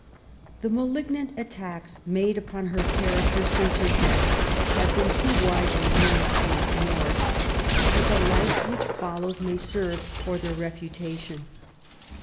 The malignant attacks I 2 MABY W0LL8T0NEGBAFT GODWIN. made upon her character since her death have been too widely known to be ignored^ but the Life which follows may serye for their refutation.